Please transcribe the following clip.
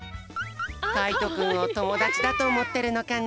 かいとくんをともだちだとおもってるのかな？